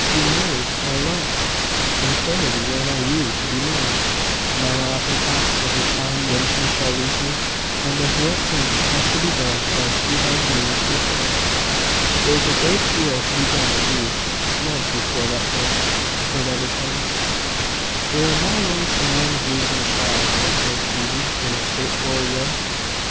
"You married, my love! And pray when are you to be married?" "Mamma often talks of the time when she shall lose me, and of what things have to be done while she has me with her." "There is a great deal to be done indeed, love, before that day, if it ever comes." "There are more ways than one of losing a child," observed Phoebe, in her straightforward way.